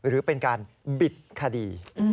หรือเป็นการบิดคดี